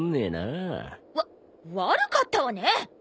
わ悪かったわね！